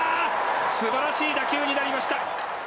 すばらしい打球になりました。